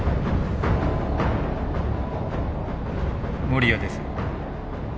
守谷です。